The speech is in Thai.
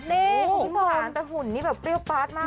นี่หุ่นหวานแต่หุ่นนี่แบบเปรี้ยวปลาดมาก